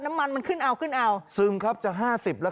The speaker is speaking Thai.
น้ำมันมันขึ้นอ้าวขึ้นอ้าวซึมครับจะห้าสิบแล้วครับ